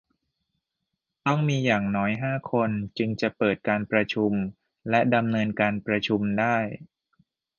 ต้องมีอย่างน้อยห้าคน จึงจะเปิดการประชุมและดำเนินการประชุมได้